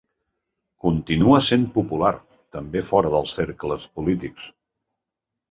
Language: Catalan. Continua sent popular també fora de cercles polítics.